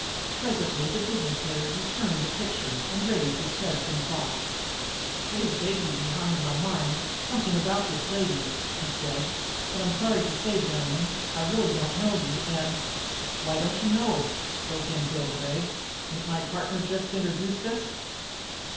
Presently the dignitary returned the picture and raised his head from thought. "It is vaguely behind my mind, something about this lady," he said. "But I'm sorry to say, gentlemen, I really don't know you and " "Why, don't you know us!" broke in Bill Gregg. "Ain't my partner here just introduced us?"